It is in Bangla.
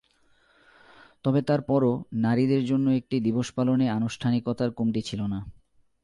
তবে তার পরও নারীদের জন্য একটি দিবস পালনে আনুষ্ঠানিকতার কমতি ছিল না।